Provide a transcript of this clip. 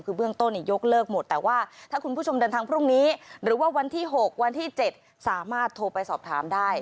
คือเบื้องต้นยกเลิกหมดแต่ว่าถ้าคุณผู้ชมเดินทางพรุ่งนี้หรือว่าวันที่๖วันที่๗สามารถโทรไปสอบถามได้